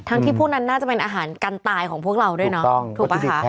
ทั้งที่พวกนั้นน่าจะเป็นอาหารกันตายของพวกเราถูกต้องพวกมันจะสุดแพงขึ้นไหม